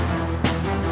baik ibu unda